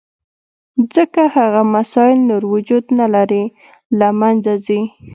ځکه هغه مسایل نور وجود نه لري، له منځه ځي.